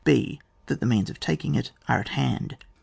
{h) That the means of taking it are at hand.